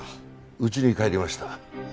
家に帰りました。